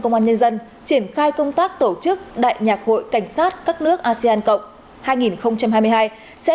công an nhân dân triển khai công tác tổ chức đại nhạc hội cảnh sát các nước asean cộng hai nghìn hai mươi hai sẽ